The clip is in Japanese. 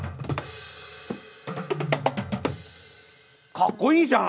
かっこいいじゃん！